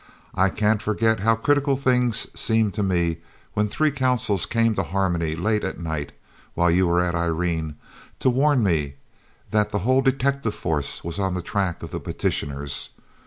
I can't forget how critical things seemed to me when three Consuls came to Harmony late at night, while you were at Irene, to warn me that the whole detective force was on the track of the petitioners.